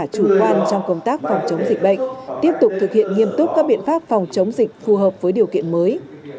chủ quan trong công tác phòng chống dịch bệnh tiếp tục thực hiện nghiêm túc các biện pháp phòng chống dịch phù hợp với điều kiện mới